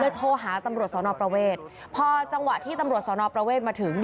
โทรหาตำรวจสอนอประเวทพอจังหวะที่ตำรวจสอนอประเวทมาถึง